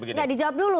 gak dijawab dulu